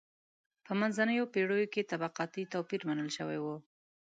په منځنیو پېړیو کې طبقاتي توپیر منل شوی و.